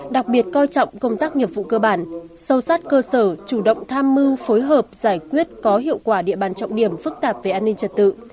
đặc biệt coi trọng công tác nghiệp vụ cơ bản sâu sát cơ sở chủ động tham mưu phối hợp giải quyết có hiệu quả địa bàn trọng điểm phức tạp về an ninh trật tự